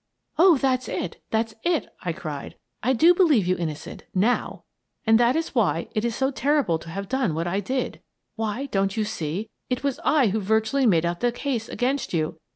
"Oh, that's it! That's it!" I cried. "I do believe you innocent — now. And that is why it is so terrible to have done what I did. Why, don't you see? It was I who virtually made out the case against you!